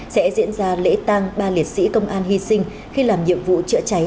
sẽ diễn ra lễ tăng ba liệt sĩ công an hy sinh khi làm nhiệm vụ trợ cháy